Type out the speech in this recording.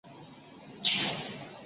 他也担任过英国农业大臣。